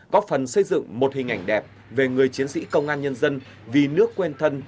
góp phần xây dựng một hình ảnh đẹp về người chiến sĩ công an nhân dân vì nước quen thân